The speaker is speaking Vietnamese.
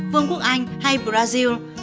vương quốc anh hay brazil